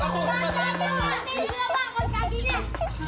pak ini juga pak